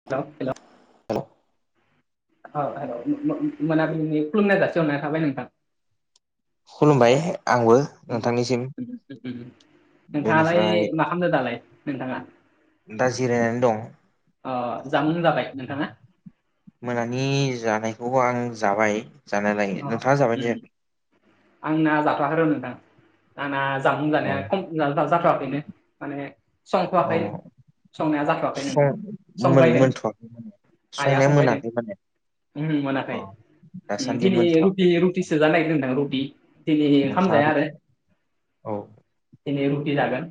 [inaudible] हेल' औ हेल मोनाबिलिनि खुलुमनाय जासि हरनाय थाबाय नोंथां। खुलुमबाय आंबो। नोंथांनिसिम नोंथाङालाय बेनिफ्राय मा खालामदों दालाय नोंथाङा? दा जिरायनानै दं अ जामोन जाबाय नोंथाङा? मोनानि जानायखौ आं जाबाय। जानायालाय आंना नोंथाङा जाबायना ओम। जायाखै? ‌आंना जाथ'आखै र' नोंथां। आंना औ जानाया ख जाथ'वाखैनो माने अ संथ'वाखै संनाया जा आखै सं नोंथां मोन संबायदों। मोनथ'वाखै माने आइआ संनाया संबायदों। मोनाखै माने मोनाखै अ दासान्दि दिनै मोनथ'वाखै रुटि-रुटिसो जानो नागिरदों नोंथां रुटि दिनै ओंखाम नोंथाङाबो जाया आरो। औ दिनै रुटि जागोन।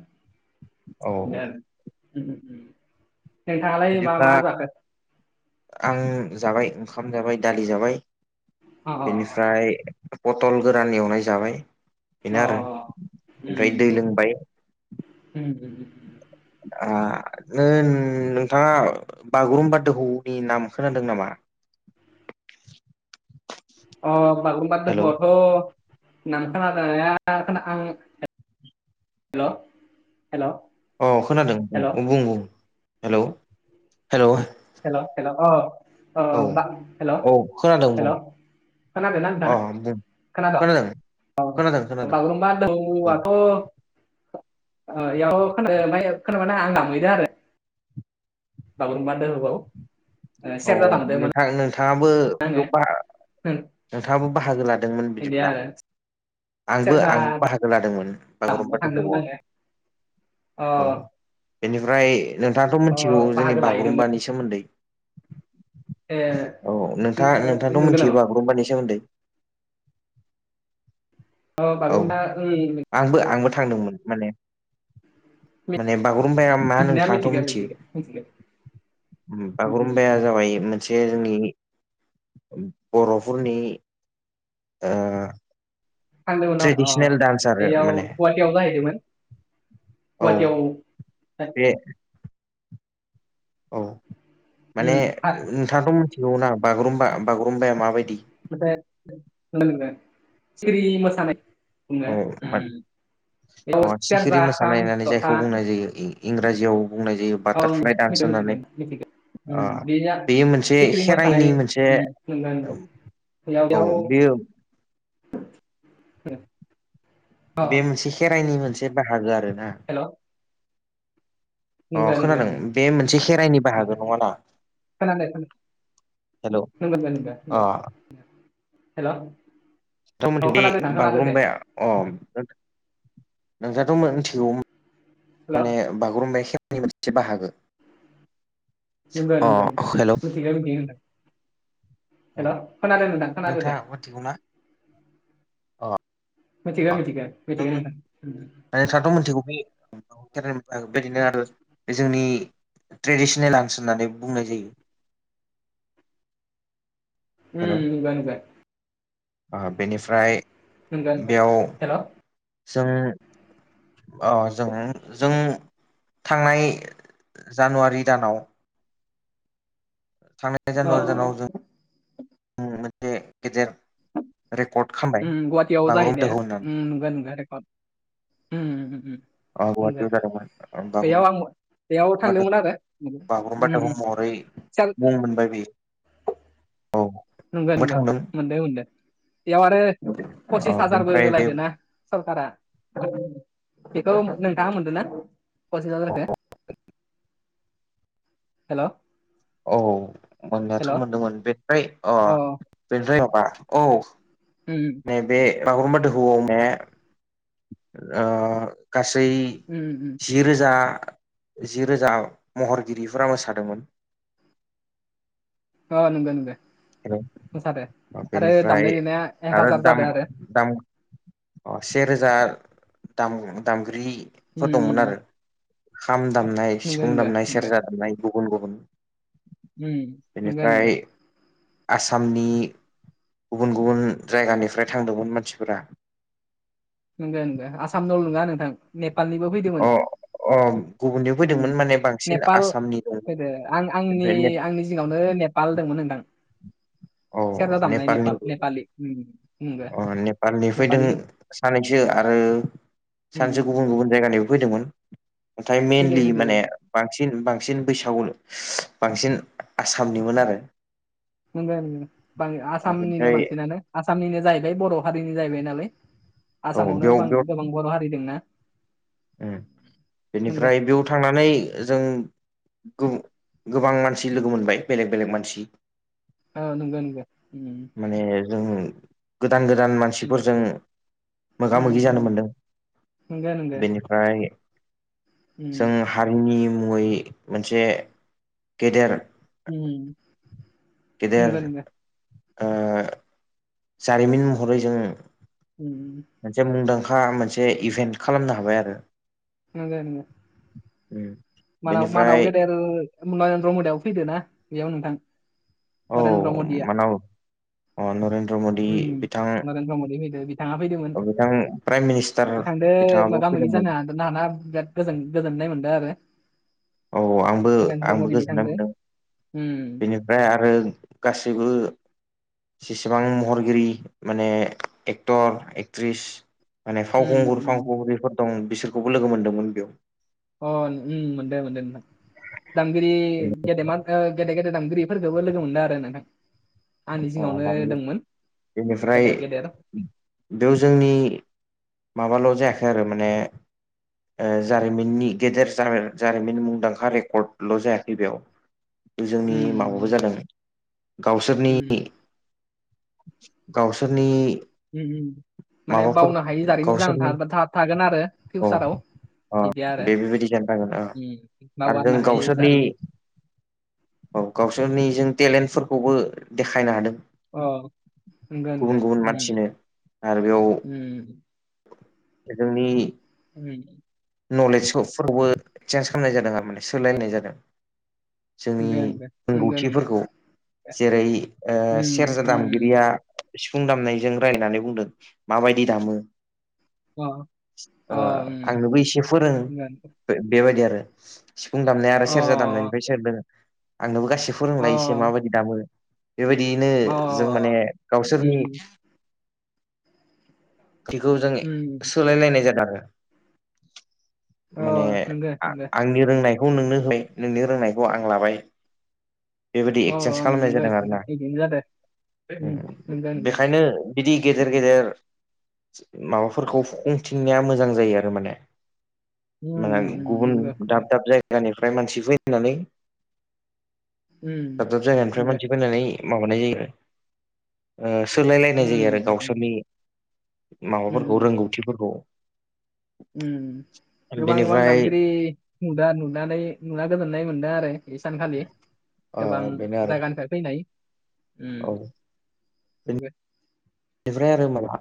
औ नोंथाङालाय मा बिदिब्ला मा जाखो? आं जाबाय ओंखाम जाबाय दालि जाबाय। अ बेनिफ्राय ओमफ्राय पथल गोरान एवनाय जाबाय। अ बेनो आरो। ओमफ्राय दै लोंबाय। [unintelligible] दा नो नोंथाङा बागुरुम्बा दोहौनि नाम खोनादों नामा? अ बागुमबा हेलौ दोहौआथ' [unintelligible] हेल' हेल'। अ खोनादों। बुं बुं हेल' हेल'। हेल हेल अ हेल' औ खोनादों हेल'। बुं खोनादों नोंथां अ बुं खोनादों औ खोनादों खोनादों बागुरुमबा दोहौ बुं आथ' बेयाव ख म खोनाबानो आं गामहैदों आरो बागुरुमबा दोहौवा औ नोंथां नोंथाङाबो बेयाव बा होम नोंथाङाबो बाहागो लादोंमोन बिदि बिदिब्ला। आरो आंबो सेरजा आंबो बाहागो लादोंमोन। दामनो बागुरुम्बा दोहौआव। थांदोंमोन आङो अ। औ बेनिफ्राय नोंथाङाथ' अ मिथिगौ जोंनि बाहागो लाहैदोंमोन बागुरुम्बानि सोमोन्दै ए औ नोंथां ओ नोंथांथ' नंगौ मिथियो नामा बागुरुम्बानि सोमोन्दै औ बागुरा आंबो आंबो थांदोंमोन माने माने बागुरुम्बाया मा मिथिनाया नोंथाङाथ' मिथिगो मिथियो मिथिगो मिथिगो उम उम उम [unintelligible] मोनसे जोंनि बर'फोरनि ओ थांदोंमोन नामा ट्रेडिसनेल डान्स आरो बेयाव माने गुवाहाटियाव जाहैदोंमोन औ गुवाहाटियाव बे औ माने उम आ नोंथाङाथ' मिथिगौ ना बागुरुमबा बागुरुम्बाया माबायदि नाथाय नों सिरि मोसानाय बुङो म उम बेयाव अ सिखिरि सेरजा खाम मोसानायनानै जथा जायखौ बुंनाय जायो इंराजियाव बुंनाय जायो ओं बाटारफ्लाइ दान्स मिथिगो मिथिगो होननानै मिथिगो ओ ओम बेया बेयो मोनसे सिखिरि मोसानाय खेराइनि मोनसे ओम नंगो नंगो औ बेयो [unintelligible] बे मोनसे खेराइनि मोनसे बाहागो आरो ना हेलौ नंग अ खोनादों बे मोनसे खेराइनि बाहागो नंग नङाना खोनादों हेलौ खोनादों अ नों [unintelligible] हेलौ नोंथां मिनिथिं बे बागुरुम्बाया अ नोंसाथ' मिथिगौ हेल' माने बागुरुम्बा खेवनि मोनसे बाहागो नोंगो अ नोंगो नोंगो हेल' मिथिगो मिथिगो नोंथां हेल' खोनादों नोंथां खोनादों दे थिगौ ना मिथिगो मिथिगो मिथिगो नोंथां ओम मफ्राथ' मिथिगौ बे के बेदिनो आरो बे जोंनि ट्रेडिसनेल डान्स होननानै बुंनाय जायो। हेल' ओ [unintelligible] बेनिफ्राय नंगौ नंगौ बेयाव हेल' जों अ जोङो जों थांनाय जानुवारि दानाव थांनाय अ जानुवारि दानाव जों मोनसे गेदेर रेकर्ड खालाम गुवाहाटियावबो जाहै दे नंगोन नंगोन रेकर्ड ओम ओम औ गुवाहाटीआव जादोंमोन बागुरा बेयाव होनोमबाद थांदोंमोन आरो बाबुरुमबा उम दोहौ उम महरै सार मुं मोनबाय बेयो। औ नंगौ बो नोंगौ थांदों मोनदो मोनदों बेयाव आरो ओ पसिस हाजारबो बेनिफ्राय बे होलायदो ना सरकारा बेखौ नोंथाङा मोनदों ना पसिस हाजारखो? हेलौ औ मोननायाथ' मोनदोंमोन बेनिफ्राय अ बेनिफ्राय माबा औ उम बे बागुरुमबा दोहौ ने ओ गासै उम उम जि रोजा जि रोजा महरगिरिफोरा मोसादोंमोन। अ नंगौ नोंगौ मोसादो आरो बेनिफ्राय दामनाय देनाया एक आरो हाजार दाम जादों आरो। दाम अ सेे रोजा दाम दामगिरि उम फोर दंमोन उम आरो खाम दामनाय नंगौ सिफुं नंगौ दामनाय नंगौ सेरजा दामनाय गुबुन गुबुन ओम नंगो नंगो बेनिफ्राय आसामनि गुबुन गुबुन जायगानिफ्राय थांदोंमोन मानसिफोरा। नंगौ नंगौ आसामनावल' नङा, नोंथां नेपालनिबो फैदोंमोन। अ अ गुबुननि ओ फैदोंमोन माने बांसिन नेपाल आसामनि दंमोन होदो आं आंनि ओमफ्राय आंनि जिङावनो नेपाल दंमोन नोंथां सेरजा औ दामनाय नेपालनि नेपाल, नेपालि उम उम ओ अ नेपालनि फैदों नेपालि। सानैसो आरो उम उम सानैसो गुबुन गुबुन जायगानिबो फैदोंमोन। नाथाय फैदो मेइनलि फैदो माने फैदो बांसिन बांसिन बैसागु बांसिन आसामनिमोन आरो। नोंगो उम आसामनिनो ओमफ्राय बांसिनानो। आसामनिनो जाहैबाय बर' हारिनि जाहैबाय नालाय, औ आसामावनो बेयाव बेयाव गोबां बर' हारि दोंना। उम, बेनिफ्राय बेयाव थांनानै जों गो-गोबां मानसि लोगो मोनबाय बेलेग बेलेग मानसि। औ नंगौ नंगौ उम। माने जों गोदान गोदान मान नंगौ सिफोरजों मोगा उम मोगि उम जानो मोनदों, नंगौ नंगौ बेनो। ओमफ्राय उम जों हारिनि मुङै मोनसे गेदेर उम गेदेर नंगौ नंगौ ओ जारिमिन महरै जों उम मोनसे मुंदांखा मोनसे इभेन्ट खालामनो हाबाय आरो। नोंगो नोंगो। उम मानाव बेनिफ्राय मानाव गेदेर नरेन्द्र मदिआबो फैदोना, बेयाव नोंथां। औ नरेन्द्र मदिया। मानाव अ नरेन्द्र मदि बिथां उम नरेन्द्र मदि फैदों, बिथाङा फैदोंमोन। बिथां प्राइम मिनिस्टार बिथांदो बिथाङाबो मोगा मोगि फैदोंमोन जानो हागोन हाना बिराद गोजोननाय मोनदों आरो। औ आंबो नरेन्द्र आंबो मदि गोजोननाय बिथांदो मोनदों उम बेनिफ्राय आरो गासैबो जेसेबां महरगिरि माने एक्टर, एक्ट्रिस माने उम फावखुंगुर उम फावखुंग्रिफोर दं बिसोरखौबो लोगो मोन्दोंमोन बेयाव। अ उम मोनदो मोनदों दामगिरि गेदेमा ओ गेदे गेदे दामगिरिफोरखोबो लोगो मोनदों आरो नोंथां। आंनि अ जिङावनो दानि दंमोन बेनिफ्राय गेदेर गेदेर बेयाव जोंनि माबाल' जायाखै आरो माने ओ जारिमिननि गेदेर जारिमिन मुंदांखा रेकर्डल' जायाखै बेयाव। जोंनि उम माबाबो उम दे जादों गावसोरनि उम गावसोरनि उम माने माबाफोर बावनो हायि जारिमिन जानानै गावसोरनि था-था-थागोन आरो फिउसाराव। अ बिदि आरो बे बेबायदि जानो थागोन उम आरो जों बावगारनो हायै गावसोरनि जारिमिन औ गावसोरनि जों टेलेन्टफोरखौबो देखायनो हादों। औ। गुबुन गुबुन मानसिनो आरो बेयाव उम जोंनि उम। नलेजखौ फावबो चेन्ज खालामनाय जादों आरमाने सोलायनाय जादों जोंनि नंगो नंगो नंगो रोंगौथिफोरखौ जेरै उम सेरजा उम दामगिरिया सिफुं दामनायजों रायलायनानै बुंदों माबायदि दामो अ ओ अ उम आंनोबो एसे फोरों नंगौ बेबायदि आरो सिफुं दामनाय आरो सेरजा अ दामनायनिफ्राय [unintelligible] आंनोबो [unintelligible] अ फोरोंलायो एसे माबायदि दामो। बेबायदियैनो अ जों माने गावसोरनि उम बेखौ जों उम सोलायलायनाय जादों आरो अ माने नंगो नंगो आंनि रोंनायखौ नोंनो हाय नोंनि रोंनायखौ आं लाबाय बेबायदि अ एक्सेन्ज खालामनाय नंगो जादों नोंथां आरोना बिदिनो जादो उम नंगो नंगो बेखायनो बिदि गेदेर उम गेदेर माबाफोरखौ फुफुंथिंनाया मोजां जायो आरो माने उम माने उम गुबुन नंगो दाब नोंथां दाब जायगा जायगानिफ्राय मानसि फैनानै उम दाब दाब जायगानिफ्राय नंगो मानसि फैनानै माबानाय जायो सोलाय लायनाय जायो आरो उम गावसोरनि उम माबाफोरखौ उम रोंगौथिफोरखौ गोबां गोबां बेनिफ्राय दामगिरिगिरि नुदा नुनानै नुना गोजोननाय मोनदों आरो बै सानखालि ओ गोबां बेनो आरो जायगानिफ्राय फैनाय औ बेनिफ्राय आरो माला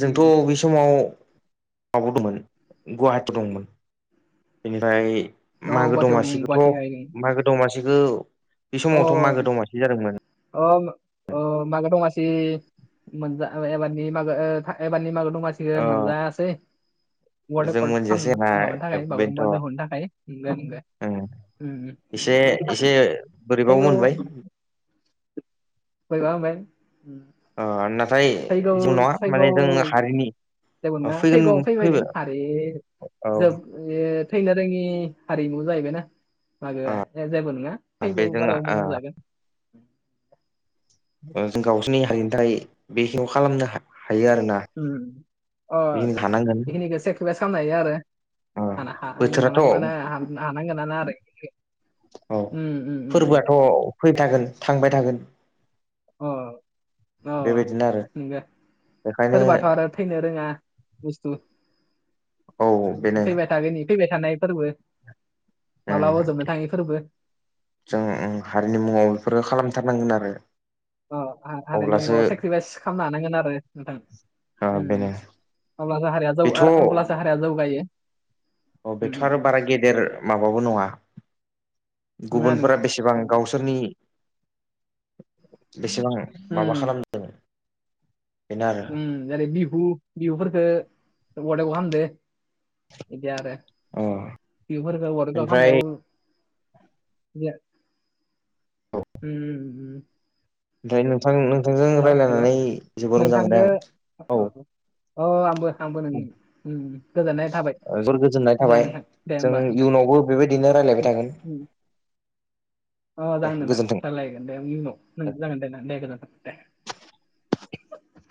जोंथ' उम बे समाव माबायाव दंमोन गुवाहाटियाव दंमोन बेनिफ्राय अ मागो गुवाहाटियाव गुवाहाटि हाय दमासिखौथ' अ मागो दमासिखौ बे समावथ' मागो दमासि जादोंमोन अ मागो दमासि मोनजा एबारनि मागो एबारनि मागो दमासिखो ओ मोनजायासै उवाल जों रेर्कद खाम मोनजायासै माबानि थाखाय बेनोथ' बागुरुम्बा दौहोनि थाखाय नुदो नुदो ओं एसे एसे बोरैबाबो फैगौ मोनबाय फैबा हबाय नाथाय जों नंङा माने जों हारिनि जेबो नंङा फैगोन फैगौआव फैबायदों फैबाय आरो औ जोब बे थैनो रोंङि हारिमु जाहैबायनाा मागोआ ए जेबो नंङा बे फैगौ जों बाराव मोजां ओ जागोन जों गावसोरनि हारिनि थाखाय बेखिखौ खालामनो हायो आरो ना अ बेखिनिखौ सेक्रिफाइस खालामनो हायो आरो ओ बोथोराथ' हानांगौ मान औ हानांगौ नोना आरो [unintelligible] उम उ उ [unintelligible] फै थागोन थांबाय थागोन अ बेबायदिनो आरो अ बेखायनो सोरबाथ‌'आरो थैनो रोंङा बुस्थु औ बेनो फैबाय थागोननि फैबाय थानाय फोरबो उम मालाबाजोबनो थाङै फोरबो जों हारिनि मुंङाव बेफोरफोरखौ खालामथारनांगोन आरो अ हारिनि अब्लासो मुंङाव सेक्रिफाइस खालामनो हानांगोन आरो नोंथां ओ बेनो बेथ' अब्लासो हारिया जौगायो [unintelligible] अ उम बेथ' आरो उम बारा गेदेर माबाबो नंङा उम नङा गुबुनफोरा बेसेबां नङा गावसोरनि बेसेबां माबा उम खालामदों बेनो आरो ओम जेरै बिहु बिहुफोरखौ अदेग हामदो बिदि आरो अ बेफोरफोरखौ अरखौ ओमफ्राय होनाननायाव ओमफ्राय नोंथां नोंथांजों हेल' हेल' रायजलायनानै जोबोर मोजां नोंथांदो मोनबाय आं औ अ आंबो आंबो नों गोजोननाय थाबाय जोबोर गोजोननाय दे थाबाय नोंथां दे जों होमबा नोंथां इयुनावबो बेबायदिनो रायलायबाय थागोन उम अ दे जागोन गोजोन्थों नोथां रायलायगोन दे उनाव जागोन दे ने दे